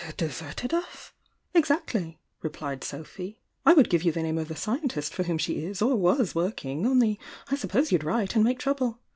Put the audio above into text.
— deserted us?" ,^,,. "Exactly!" replied Sophy. "I would give you the name of the scientist for whom she is or was working, only I suppose you'd write and make trou ble.